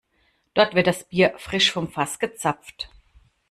Dort wird das Bier frisch vom Fass gezapft.